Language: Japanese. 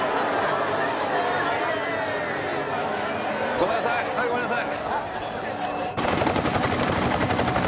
ごめんなさいはいごめんなさい。